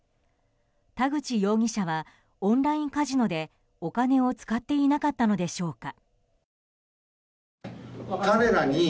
田口容疑者はオンラインカジノでお金を使っていなかったのでしょうか。